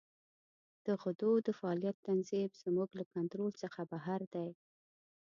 د غدو د فعالیت تنظیم زموږ له کنترول څخه بهر دی.